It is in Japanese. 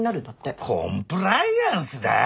コンプライアンスだあ？